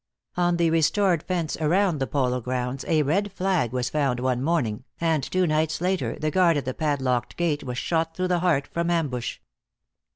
On the restored fence around the polo grounds a Red flag was found one morning, and two nights later the guard at the padlocked gate was shot through the heart, from ambush.